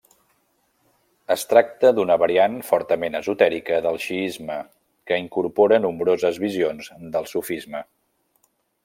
Es tracta d'una variant fortament esotèrica del xiisme que incorpora nombroses visions del sufisme.